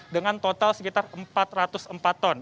dengan total sekitar empat ratus empat ton